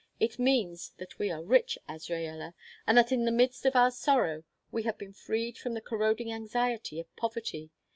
"It means that we are rich, Azraella, and that in the midst of our sorrow we have been freed from the corroding anxiety of poverty.